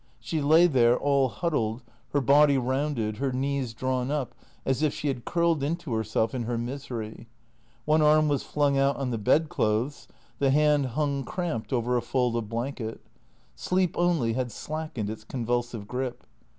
She lay there, all huddled, her body rounded, her knees drawn up as if she had curled into herself in her misery. One arm was flung out on the bed clothes, the hand hung cramped over a fold of blanket ; sleep only had slackened its convulsive grip.